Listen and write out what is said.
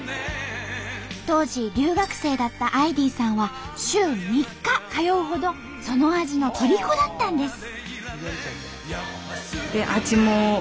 当時留学生だったアイディさんは週３日通うほどその味のとりこだったんです。